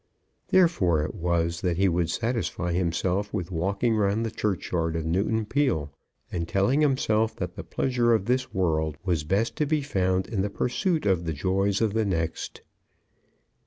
Therefore it was that he would satisfy himself with walking round the churchyard of Newton Peele, and telling himself that the pleasure of this world was best to be found in the pursuit of the joys of the next.